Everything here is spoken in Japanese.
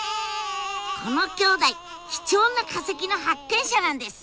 この兄弟貴重な化石の発見者なんです！